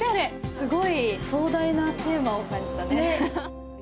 すごい壮大なテーマを感じたね。